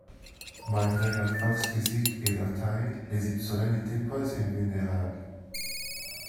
Malgré leur force physique et leur taille, les Ispolin n'étaient pas invulnérables.